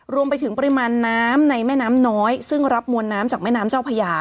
รวมไปถึงปริมาณน้ำในแม่น้ำน้อยซึ่งรับมวลน้ำจากแม่น้ำเจ้าพญา